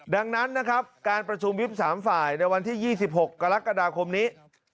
ดังนั้นนะครับการประชุมวิบ๓ฝ่ายในวันที่๒๖กรกฎาคมนี้